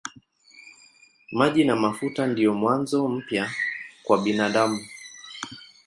Maji na mafuta ndiyo mwanzo mpya kwa binadamu.